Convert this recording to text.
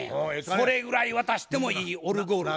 それぐらい渡してもいいオルゴール。